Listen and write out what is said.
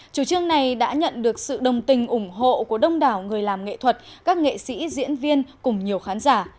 chủ trương này đã nhận được sự đồng tình ủng hộ của đông đảo người làm nghệ thuật các nghệ sĩ diễn viên cùng nhiều khán giả